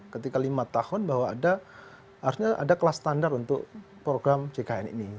ketika lima tahun bahwa harusnya ada kelas standar untuk program jkn ini